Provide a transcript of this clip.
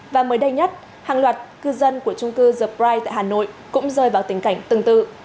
và mới đây nhất hàng loạt cư dân của trung cư depride tại hà nội cũng rơi vào tình cảnh tương tự